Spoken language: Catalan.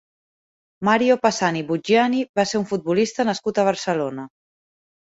Mario Passani Buggiani va ser un futbolista nascut a Barcelona.